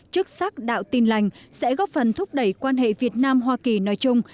chức sắc đạo tin lành sẽ góp phần thúc đẩy quan hệ việt nam hoa kỳ nói chung